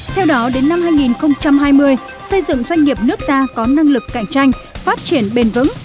theo đó đến năm hai nghìn hai mươi xây dựng doanh nghiệp nước ta có năng lực cạnh tranh phát triển bền vững